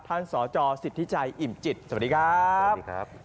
ท่านสตสิทธิใจอิ่มจิตสวัสดีครับ